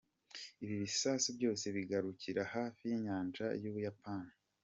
Ibi bisasu byose bigarukira hafi y’inyanja y’u Buyapani.